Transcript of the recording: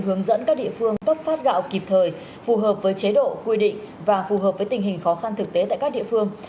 hướng dẫn các địa phương cấp phát gạo kịp thời phù hợp với chế độ quy định và phù hợp với tình hình khó khăn thực tế tại các địa phương